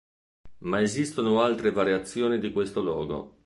Ma esistono altre variazioni di questo logo.